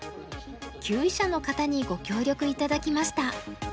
級位者の方にご協力頂きました。